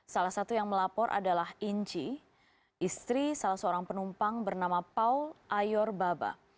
salah satu yang melapor adalah inci istri salah seorang penumpang bernama paul ayor baba